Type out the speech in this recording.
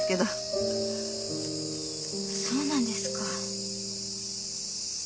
そうなんですか。